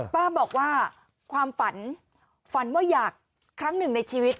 ป้าบอกว่าความฝันฝันว่าอยากครั้งหนึ่งในชีวิต